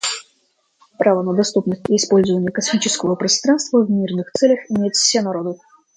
Право на доступность и использование космического пространства в мирных целях имеют все народы.